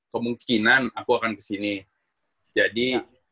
kemungkinan aku akan kesini jadi